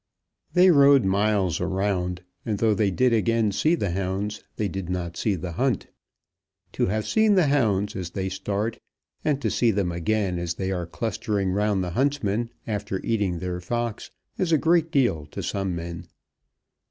They rode miles around, and though they did again see the hounds, they did not see the hunt. To have seen the hounds as they start, and to see them again as they are clustering round the huntsman after eating their fox, is a great deal to some men.